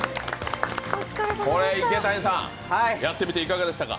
これ、池谷さん、やってみていかがでしたか？